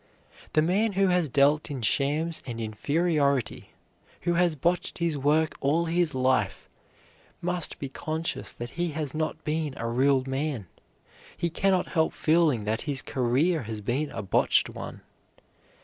The man who has dealt in shams and inferiority, who has botched his work all his life, must be conscious that he has not been a real man; he can not help feeling that his career has been a botched one.